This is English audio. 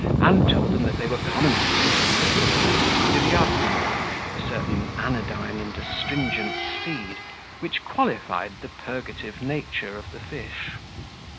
and told them that they were commonly eaten with the thus Syriacum, a certain anodyne and astringent seed, which qualified the purgative nature of the fish.